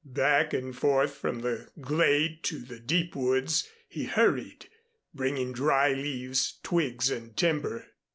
Back and forth from the glade to the deep woods he hurried, bringing dry leaves, twigs, and timber.